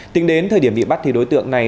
tính đến thời điểm bị bắt thì đối tượng này